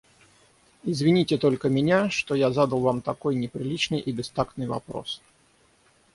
Извините только меня, что я задал вам такой неприличный и бестактный вопрос.